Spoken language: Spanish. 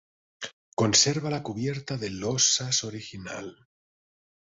Conserva la cubierta de losas original.